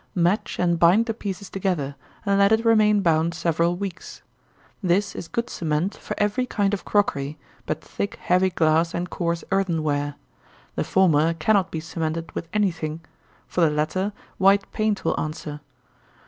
Match and bind the pieces together, and let it remain bound several weeks. This is good cement for every kind of crockery but thick heavy glass and coarse earthenware; the former cannot be cemented with any thing; for the latter, white paint will answer.